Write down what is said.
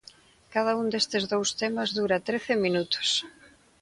Cada un destes dous temas dura trece minutos.